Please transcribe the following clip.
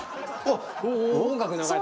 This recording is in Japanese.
音楽流れた。